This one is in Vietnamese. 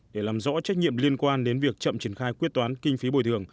để làm rõ trách nhiệm liên quan đến việc chậm triển khai quyết toán kinh phí bồi thường